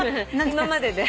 「今までで」